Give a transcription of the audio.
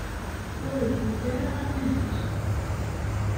Ur rewwit ara amahil.